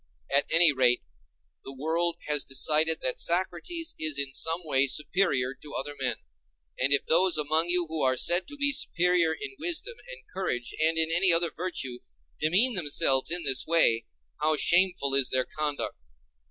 At any rate, the world has decided that Socrates is in some way superior to other men. And if those among you who are said to be superior in wisdom and courage, and any other virtue, demean themselves in this way, how shameful is their conduct!